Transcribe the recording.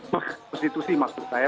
bek prostitusi maksud saya